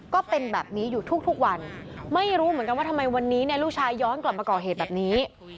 ก็เป็นแบบนี้อยู่ทุกวันไม่รู้เหมือนกันว่าทำไมวันนี้เนี่ยลูกชายย้อนกลับมาก่อเหตุแบบนี้